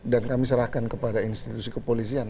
dan kami serahkan kepada institusi kepolisian